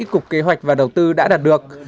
cục kế hoạch và đầu tư đã đạt được